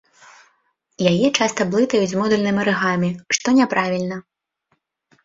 Яе часта блытаюць з модульным арыгамі, што няправільна.